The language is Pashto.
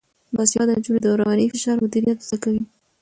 باسواده نجونې د رواني فشار مدیریت زده کوي.